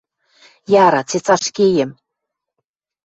– Яра, цецаш кеем.